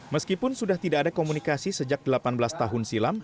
meskipun sudah tidak ada komunikasi sejak delapan belas tahun silam